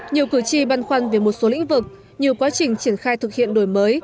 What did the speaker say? nhiều cử tri băn khoăn về một số lĩnh vực như quá trình triển khai thực hiện đổi mới